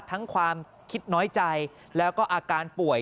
ความคิดน้อยใจแล้วก็อาการป่วย